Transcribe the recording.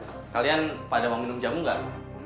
eh kalian pada mau minum jamu nggak